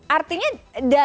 artinya dari mana